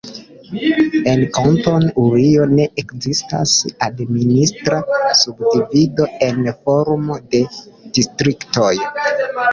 En Kantono Urio ne ekzistas administra subdivido en formo de distriktoj.